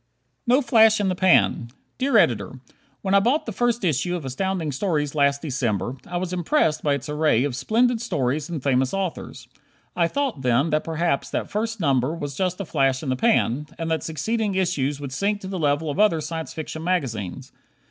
No "Flash in the Pan" Dear Editor: When I bought the first issue of Astounding Stories last December, I was impressed by its array of splendid stories and famous authors. I thought, then, that perhaps that first number was just a flash in the pan, and that succeeding issues would sink to the level of other Science Fiction magazines.